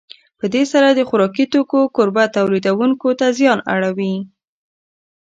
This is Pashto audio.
په دې سره د خوراکي توکو کوربه تولیدوونکو ته زیان اړوي.